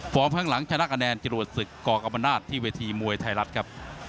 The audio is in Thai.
ข้างหลังชนะคะแนนจรวดศึกกกรรมนาศที่เวทีมวยไทยรัฐครับ